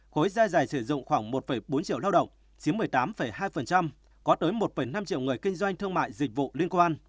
khối gia dày sử dụng khoảng một bốn triệu lao động chiếm một mươi tám hai có tới một năm triệu người kinh doanh thương mại dịch vụ liên quan